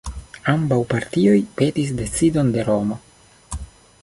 Ambaŭ partioj petis decidon de Romo.